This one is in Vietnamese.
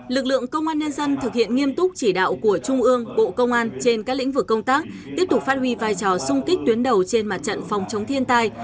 lực lượng công an nhân dân thực hiện nghiêm túc chỉ đạo của trung ương bộ công an trên các lĩnh vực công tác tiếp tục phát huy vai trò sung kích tuyến đầu trên mặt trận phòng chống thiên tai